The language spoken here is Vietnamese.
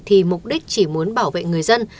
thì mục đích chỉ muốn bảo vệ người dân